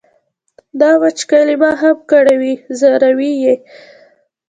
دا وچکالي ما هم کړوي ځوروي یې.